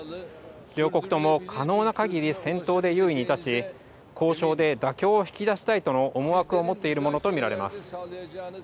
両国とも可能なかぎり戦闘で優位に立ち、交渉で妥協を引き出したいとの思惑を持っているものと見られます。